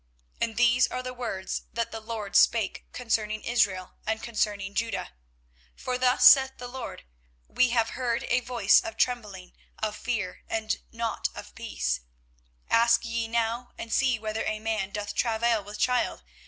24:030:004 And these are the words that the LORD spake concerning Israel and concerning Judah. 24:030:005 For thus saith the LORD; We have heard a voice of trembling, of fear, and not of peace. 24:030:006 Ask ye now, and see whether a man doth travail with child?